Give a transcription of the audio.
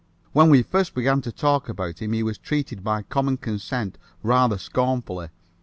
When we first began to talk about him he was treated by common consent rather scornfully.